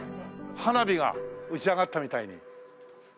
花火が打ち上がったみたいに。